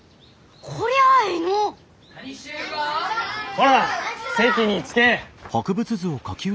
こら席に着け！